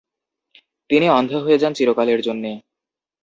তিনি অন্ধ হয়ে যান চীরকালের জন্যে।